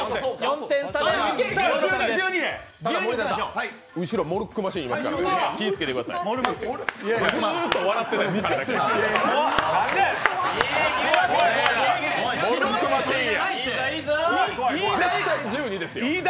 森田さん、後ろモルックマシンいますからね、気をつけてください、笑ってない。